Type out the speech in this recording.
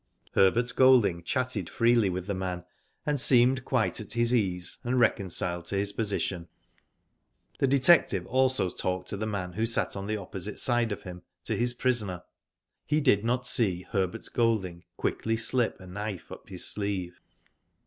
Herbert Golding chatted freely with the man, and seemed quite at his ease and reconciled to his position. The detective also talked to the man who sat on the opposite side of him to his prisoner. He did not see Herbart Golding quickly slip a knife up his sleeve.